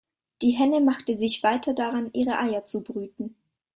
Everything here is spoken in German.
Die Henne machte sich weiter daran, ihre Eier zu brüten.